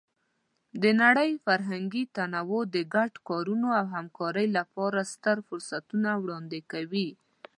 د نړۍ فرهنګي تنوع د ګډو کارونو او همکارۍ لپاره ستر فرصتونه وړاندې کوي.